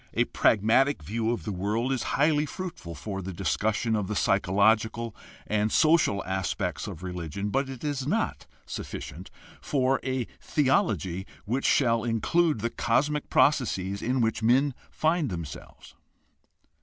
A pragmatic view of the world is highly fruitful for the discussion of the psychological and social aspects of religion, but it is not sufficient for a theology which shall include the cosmic processes in which men find themselves.